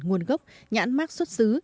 nguồn gốc nhãn mát xuất xứ